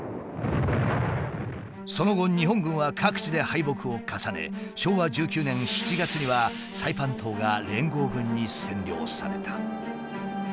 その後日本軍は各地で敗北を重ね昭和１９年７月にはサイパン島が連合軍に占領された。